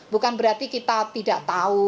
bukan berarti kita tidak tahu